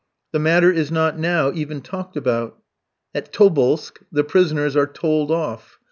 The matter is not now even talked about. At Tobolsk the prisoners are told off.